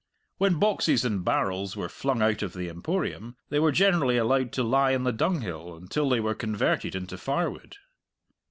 When boxes and barrels were flung out of the Emporium they were generally allowed to lie on the dunghill until they were converted into firewood.